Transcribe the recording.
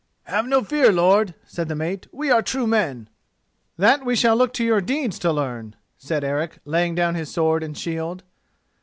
"Have no fear, lord," said the mate, "we are true men." "That we shall look to your deeds to learn," said Eric, laying down his sword and shield.